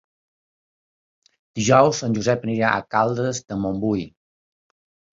Dijous en Josep anirà a Caldes de Montbui.